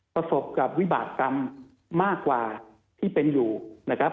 ประสบกับวิบากรรมมากกว่าที่เป็นอยู่นะครับ